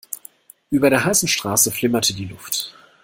Über der heißen Straße flimmerte die Luft.